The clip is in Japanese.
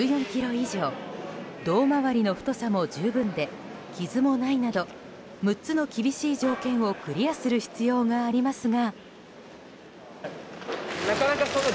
以上胴回りの太さも十分で傷もないなど６つの厳しい条件をクリアする必要がありますが。